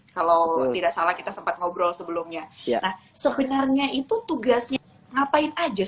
kalau tidak salah kita sempat ngobrol sebelumnya